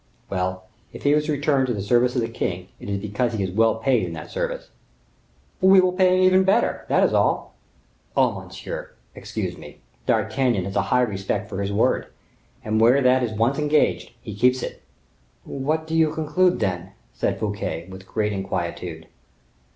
Well, if he has returned to the service of the king, it is because he is well paid in that service." "We will pay him even better, that is all." "Oh! monsieur, excuse me; D'Artagnan has a high respect for his word, and where that is once engaged he keeps it." "What do you conclude, then?" said Fouquet, with great inquietude.